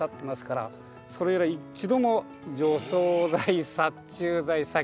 それ以来一度も除草剤殺虫剤殺菌剤。